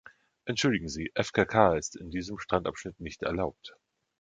Entschuldigen Sie, FKK ist in diesem Strandabschnitt nicht erlaubt.